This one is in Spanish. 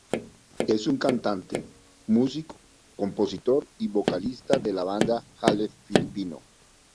Es un cantante, músico, compositor y vocalista de la banda Hale filipino.